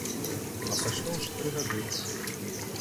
А прайшло ўжо тры гады!